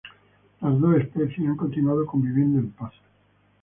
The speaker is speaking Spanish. Las dos especies han continuado conviviendo en paz.